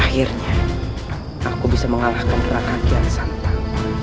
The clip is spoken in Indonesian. akhirnya aku bisa mengalahkan perang kaki dan santan